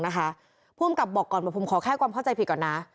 พวกของผมก็กลับก็ว่าผมขอแค่ความเข้าใจผิดก่อนนะ